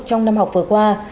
trong năm học vừa qua